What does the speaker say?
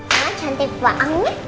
mas cantik banget